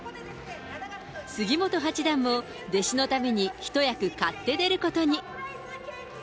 杉本八段も、弟子のために、一役買って出ることに。